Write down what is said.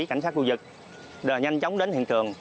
chúng ta đến tầm hiện tượng nhanh chóng